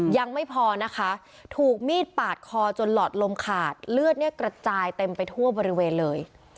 ยังไม่พอนะคะถูกมีดปาดคอจนหลอดลมขาดเลือดเนี่ยกระจายเต็มไปทั่วบริเวณเลย